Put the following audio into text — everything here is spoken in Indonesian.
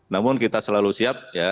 namun kita selalu siap